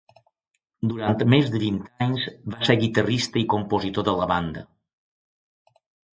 Durant més de vint anys va ser guitarrista i compositor de la banda.